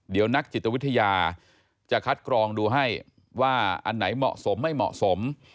เดี๋ยวนักจิตวิทยาจะคัดกรองดูให้ว่าอันไหนเหมาะสมไม่เหมาะสม